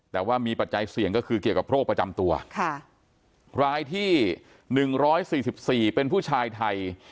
แต่ว่ามีปัจจัยเสี่ยงก็คือเกี่ยวกับโรคประจำตัวรายที่๑๔๔เป็นผู้ชายไทย